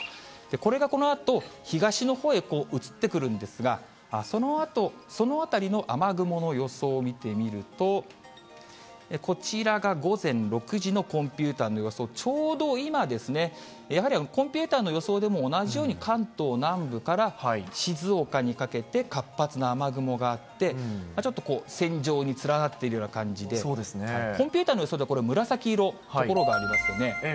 これがこのあと、東のほうへ移ってくるんですが、そのあたりの雨雲の予想を見てみると、こちらが午前６時のコンピューターの予想、ちょうど今ですね、やはりコンピューターの予想でも同じように、関東南部から静岡にかけて活発な雨雲があって、ちょっと線状に連なっているような感じで、コンピューターの予想ではこれ、紫色の所がありますよね。